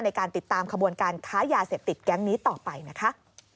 ในการติดตามขบวนการค้ายาเสพติดแก๊งนี้ต่อไปนะคะ